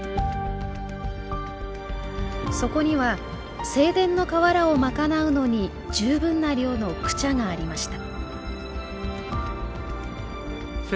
そこには正殿の瓦を賄うのに十分な量のクチャがありました